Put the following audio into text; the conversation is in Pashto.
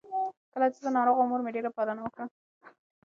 کله چې زه ناروغه وم، مور مې ډېره پالنه وکړه.